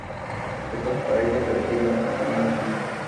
Es transparente pero quiere una compañía en su vida.